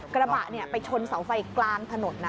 กระบะไปชนเสาไฟกลางถนนนะ